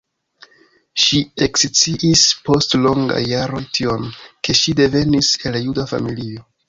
Ŝi eksciis post longaj jaroj tion, ke ŝi devenis el juda familio.